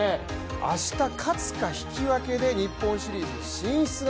明日勝つか引き分けで日本シリーズ進出が